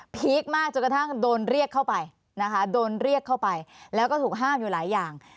พีคมากจนกระทั่งโดนเรียกเข้าไปนะคะโดนเรียกเข้าไปแล้วก็ถูกห้ามอยู่หลายอย่าง